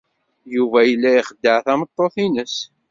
Yuba yella ixeddeɛ tameṭṭut-nnes.